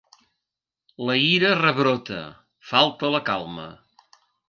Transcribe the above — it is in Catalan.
La ira rebrota: falta la calma.